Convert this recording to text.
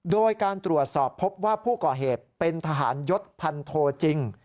โดยการตรวจสอบพบว่าผู้ก่อเหตุเป็นทหารยศพันโทจริง